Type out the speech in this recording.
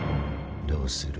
どうする？